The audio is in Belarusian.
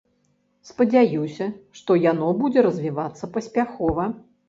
Спадзяюся, што яно будзе развівацца паспяхова.